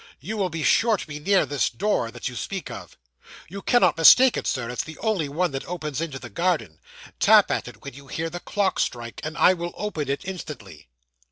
'You will be sure to be near this door that you speak of?' 'You cannot mistake it, Sir; it's the only one that opens into the garden. Tap at it when you hear the clock strike, and I will open it instantly.